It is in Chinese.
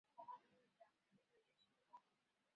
三浦羽花介为尾花介科羽花介属下的一个种。